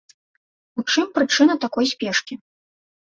У чым прычына такой спешкі?